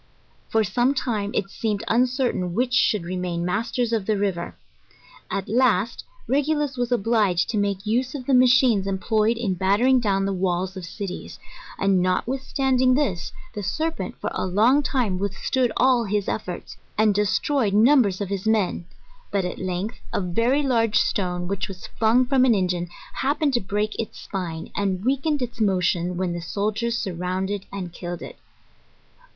For some time it seemed un certain which should remain masters of the river. At last, Regulus was obliged to make use of the machines employed in battering down the walls of cities: and, notwithstanding this, the serpent, for a long time, withstood all his efforts, and destroyed numbers of his men; but at length, a very large stone, which was flung from an engine, happened to break its spine, and weakened its motion, when the sol diers surrounded and killed it.